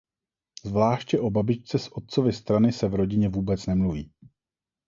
Zvláště o babičce z otcovy strany se v rodině vůbec nemluví.